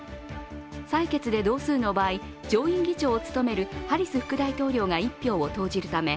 採決で同数の場合上院議長を務めるハリス副大統領が１票を投じるため、